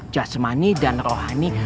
jasmani dan rohani